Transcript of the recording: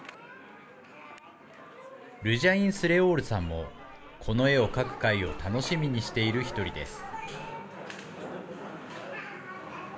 ルジャイン・スレオールさんも、この絵を描く会を楽しみにしている１人です。